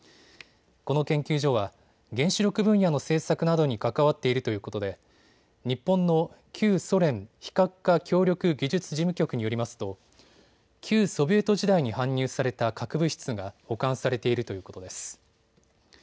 この研究所は原子力分野の政策などに関わっているということで日本の旧ソ連非核化協力技術事務局によりますと旧ソビエト時代に搬入された核物質が保管されているということです。